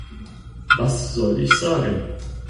Was soll ich sagen?